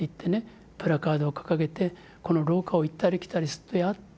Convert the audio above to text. プラカードを掲げてこの廊下を行ったり来たりすっとや？